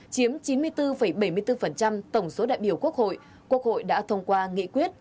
chiếm chín mươi bốn bảy mươi bốn tổng số đại biểu quốc hội quốc hội đã thông qua nghị quyết